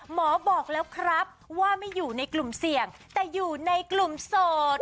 หมอบอกแล้วครับว่าไม่อยู่ในกลุ่มเสี่ยงแต่อยู่ในกลุ่มโสด